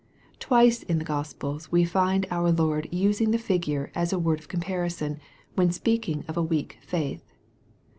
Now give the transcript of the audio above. Twice in tbe Gospels we find jur Lord using the figure as a word of comparison, when speaking of a weak faith.